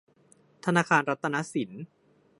ธนาคารรัตนสิน